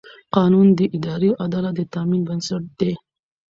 قانون د اداري عدالت د تامین بنسټ دی.